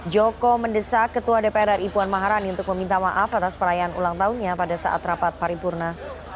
joko mendesak ketua dpr ri puan maharani untuk meminta maaf atas perayaan ulang tahunnya pada saat rapat paripurna